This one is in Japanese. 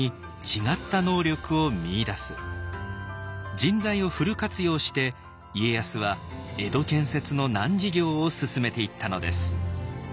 人材をフル活用して家康は江戸建設の難事業を進めていったのです。